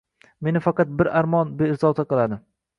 Meni faqat bir armon bezovta qiladi.